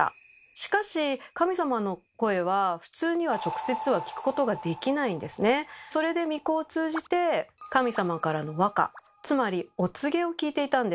しかし神様の声は普通にはそれで巫女を通じて神様からの和歌つまりお告げを聞いていたんです。